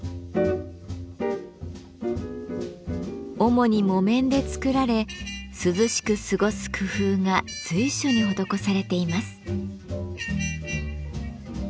主に木綿で作られ涼しく過ごす工夫が随所に施されています。